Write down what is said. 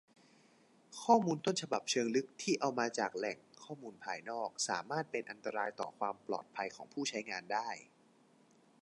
ข้อมูลต้นฉบับเชิงลึกที่เอามาใช้จากแหล่งข้อมูลภายนอก สามารถเป็นอันตรายต่อความปลอดภัยของผู้ใช้งานได้